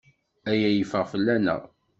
Aya yeffeɣ fell-aneɣ.